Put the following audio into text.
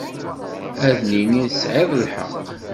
Ad nini tesɛiḍ lḥeqq.